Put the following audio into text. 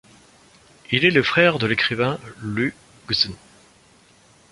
Il est le frère de l'écrivain Lu Xun.